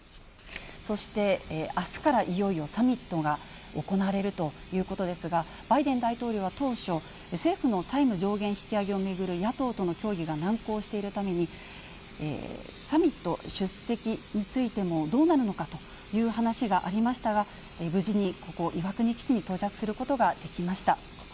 そして、あすからいよいよサミットが行われるということですが、バイデン大統領は当初、政府の債務上限引き上げを巡る野党との協議が難航しているために、サミット出席についてもどうなるのかという話がありましたが、無事にここ、岩国基地に到着することができました。